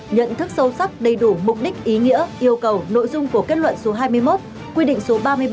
nhận thức sâu sắc đầy đủ mục đích ý nghĩa yêu cầu nội dung của kết luận số hai mươi một quy định số ba mươi bảy